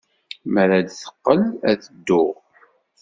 Mi ara d-teqqel, ad dduɣ.